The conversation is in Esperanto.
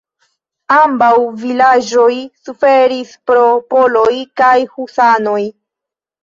Ambaŭ vilaĝoj suferis pro poloj kaj husanoj.